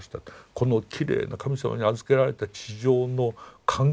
このきれいな神様に預けられた地上の環境を破壊してますと。